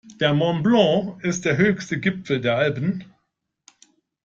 Der Mont Blanc ist der höchste Gipfel der Alpen.